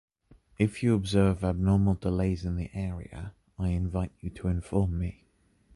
If you observe abnormal delays in the area, I invite you to inform me.